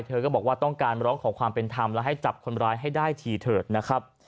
เธอก็บอกว่าต้องการร้องขอความเป็นธรรมและให้จับคนร้ายให้ได้ทีเถิดนะครับ